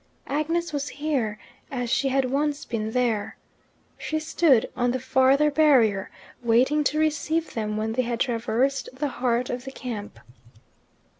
Agnes was here, as she had once been there. She stood on the farther barrier, waiting to receive them when they had traversed the heart of the camp.